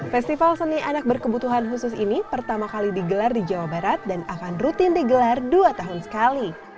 festival seni anak berkebutuhan khusus ini pertama kali digelar di jawa barat dan akan rutin digelar dua tahun sekali